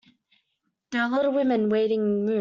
There were a lot of people in the waiting room.